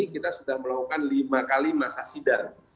kita sudah melakukan lima kali masa sidang